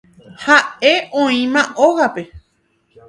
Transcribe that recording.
Ha'e oĩma hógape